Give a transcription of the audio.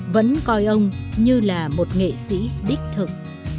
vẫn coi ông như là một nghệ sĩ đích thực